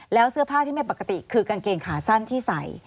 แล้วเสื้อผ้าที่ไม่ปกติคือกางเกงขาสั้นที่ใส่